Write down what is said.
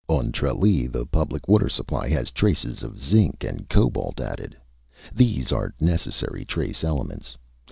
On Tralee the public water supply has traces of zinc and cobalt added. These are necessary trace elements.